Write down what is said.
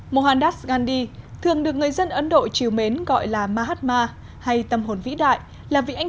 mohandas gandhi thường được người dân ấn độ chiều mến gọi là mahatma hay tâm hồn vĩ đại là vị anh